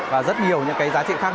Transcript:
và rất nhiều những cái giá trị khác nữa